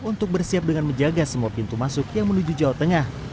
untuk bersiap dengan menjaga semua pintu masuk yang menuju jawa tengah